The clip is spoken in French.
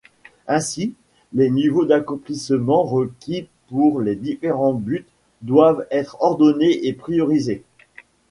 Ainsi, les niveaux d’accomplissement requis pour les différents buts doivent être ordonnés et priorisés.